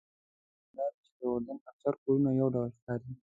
ماته جالبه داده چې د اردن اکثر کورونه یو ډول ښکاري.